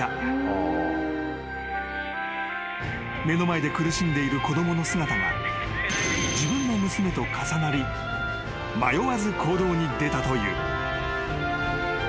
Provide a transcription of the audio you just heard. ［目の前で苦しんでいる子供の姿が自分の娘と重なり迷わず行動に出たという］